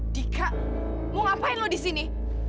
dika mau ngapain lu disini